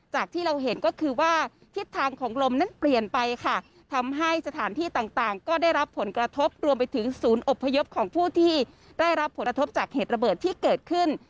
ที่เราเห็นก็คือว่าทิศทางของลมนั้นเปลี่ยนไปค่ะทำให้สถานที่ต่างต่างก็ได้รับผลกระทบรวมไปถึงศูนย์อบพยพของผู้ที่ได้รับผลกระทบจากเหตุระเบิดที่เกิดขึ้น